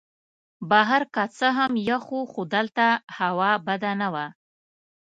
بهر که څه هم یخ وو خو دلته هوا بده نه وه.